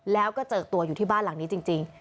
แล้วก็เจอตัวอยู่ที่บ้านหลังนี้จริง